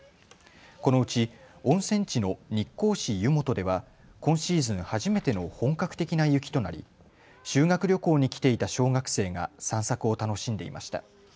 このうち温泉地の日光市湯元では今シーズン初めての本格的な雪となり修学旅行に来ていた小学生が散策を楽しんでいました。